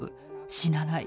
死なない。